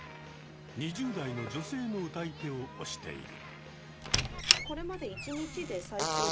２０代の女性の歌い手を推している。